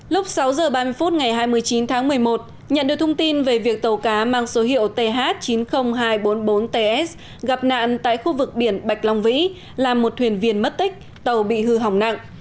lúc sáu h ba mươi phút ngày hai mươi chín tháng một mươi một nhận được thông tin về việc tàu cá mang số hiệu th chín mươi nghìn hai trăm bốn mươi bốn ts gặp nạn tại khu vực biển bạch long vĩ làm một thuyền viên mất tích tàu bị hư hỏng nặng